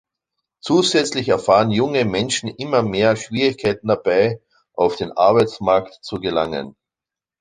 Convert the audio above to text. Zusätzlich erfahren junge Menschen immer mehr Schwierigkeiten dabei, auf den Arbeitsmarkt zu gelangen.